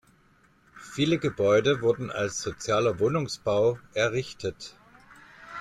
Viele Gebäude wurden als Sozialer Wohnungsbau errichtet.